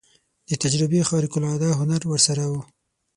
د تجربې خارق العاده هنر ورسره و.